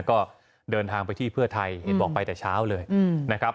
ก็เดินทางไปที่เพื่อไทยเนี่ยบอกไปตั้งแต่เช้าเลยนะคะ